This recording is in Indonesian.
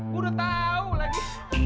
gue udah tau lagi